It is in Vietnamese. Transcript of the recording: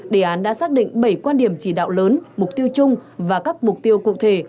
đề án đã xác định bảy quan điểm chỉ đạo lớn mục tiêu chung và các mục tiêu cụ thể